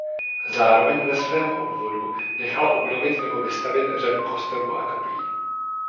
Zároveň ve svém obvodu nechal obnovit nebo vystavět řadu kostelů a kaplí.